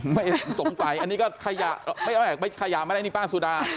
ไม่สงสัยอันนี้ก็ขยะไม่เอาแหละขยะไม่ได้นี่ป้าสุดา